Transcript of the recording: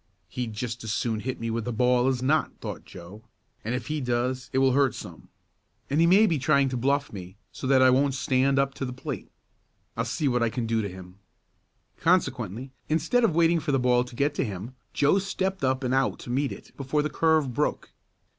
"He'd just as soon hit me with a ball as not," thought Joe, "and if he does it will hurt some. And he may be trying to bluff me so that I won't stand up to the plate. I'll see what I can do to him." Consequently, instead of waiting for the ball to get to him Joe stepped up and out to meet it before the curve "broke."